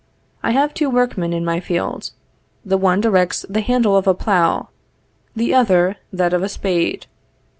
I have two workmen in my field; the one directs the handle of a plough, the other that of a spade.